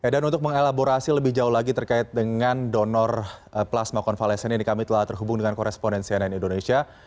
dan untuk mengelaborasi lebih jauh lagi terkait dengan donor plasma konvalesen ini kami telah terhubung dengan koresponen cnn indonesia